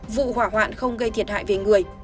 vụ hỏa hoạn không gây thiệt hại về người